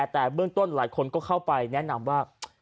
แต่เบื้องต้นหลายคนก็เข้าไปแนะนำว่า